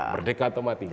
merdeka atau mati